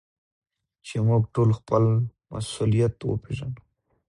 چي موږ ټول خپل مسؤليت وپېژنو.